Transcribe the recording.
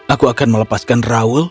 aku akan melepaskan raul